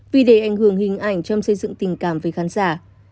vì để ảnh hưởng hình ảnh trong xây dựng tình cảm với khán giả